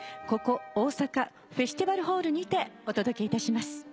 ここ大阪フェスティバルホールにてお届けいたします。